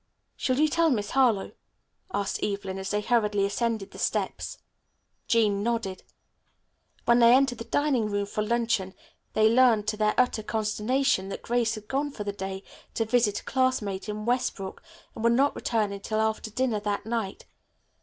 "Shall you tell Miss Harlowe?" asked Evelyn as they hurriedly ascended the steps. Jean nodded. When they entered the dining room, for luncheon they learned to their utter consternation that Grace had gone for the day to visit a classmate in Westbrook and would not return until after dinner that night.